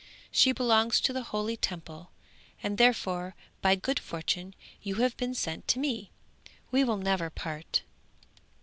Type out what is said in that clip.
She belongs to the holy Temple, and therefore by good fortune you have been sent to me; we will never part!'